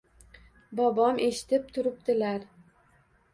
Bobom eshitib turibdilar.